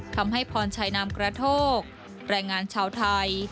พรชัยนามกระโทกแรงงานชาวไทย